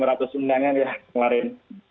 kurang lebih ada lima ratus undangannya yang kemarin